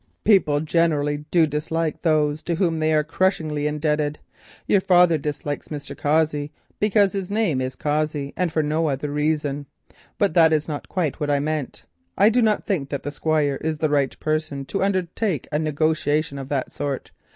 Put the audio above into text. "People generally do dislike those to whom they are crushingly indebted; your father dislikes Mr. Cossey because his name is Cossey, and for no other reason. But that is not quite what I meant—I do not think that the Squire is the right person to undertake a negotiation of the sort.